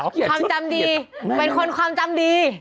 ความจำดีเป็นคนความจำดี